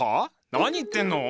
何言ってんの？